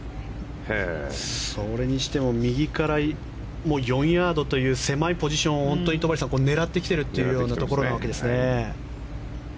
それにしても右から４ヤードという狭いポジションを狙ってきているというわけです。